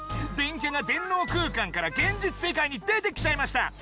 電キャが電脳空間から現実世界に出てきちゃいました。